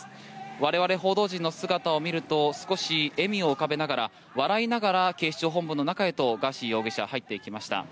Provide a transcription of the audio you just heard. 我々報道陣の姿を見ると少し笑みを浮かべながら笑いながら警視庁本部の中へとガーシー容疑者入っていきました。